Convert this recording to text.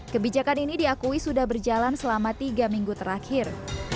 kebijakan ini diakui sudah berjalan selama tiga minggu terakhir